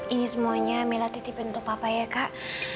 ini semuanya mila titipin untuk papa ya kak